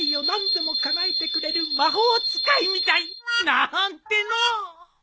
なーんてのう。